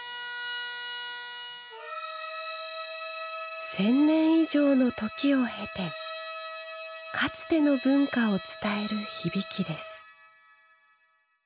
１，０００年以上の時を経てかつての文化を伝える響きです。